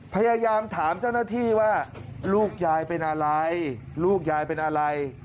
พยายามถามเจ้าหน้าที่ว่าลูกยายเป็นอะไรลูกยายเป็นอะไร